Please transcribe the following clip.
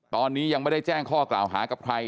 ตอนนี้ยังไม่ได้แจ้งข้อกล่าวหากับใคร